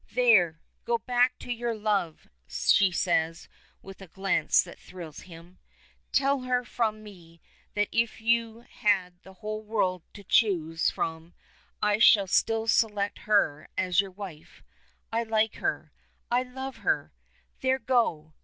"There! Go back to your love," she says with a glance that thrills him. "Tell her from me that if you had the whole world to choose from, I should still select her as your wife. I like her; I love her! There, go!"